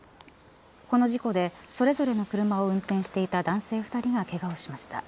この事故でそれぞれの車を運転していた男性２人がけがをしました。